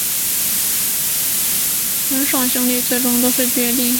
曹爽兄弟最终都决定向司马懿投降。